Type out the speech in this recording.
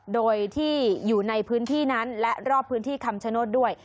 โดยที่อยู่ในพื้นที่นั้นและรอบพื้นที่คำชโนธด้วย